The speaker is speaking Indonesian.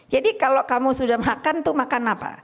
jadi kalau kamu sudah makan makan apa